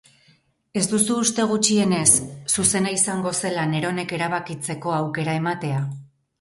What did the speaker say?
Ez duzu uste gutxienez zuzena izango zela neronek erabakitzeko aukera ematea?